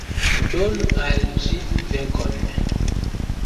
Donu al ĝi venkon!